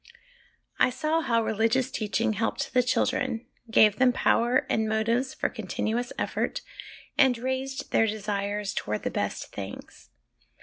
I saw how religious teaching helped the children, gave them power and motives for continuous effort, and raised their desires towards the best things.